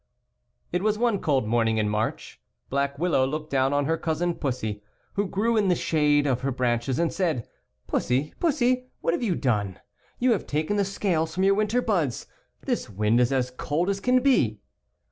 It was one cold morning in March. Black Willow looked down on her cousin Pussy, who grew in the shade of her branches, and said: " Pussy, Pussy, what have you done'' You have taken the scales from your winter buds. This wind is as cold as can be."